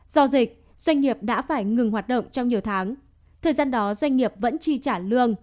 do dịch doanh nghiệp đã phải ngừng hoạt động trong nhiều tháng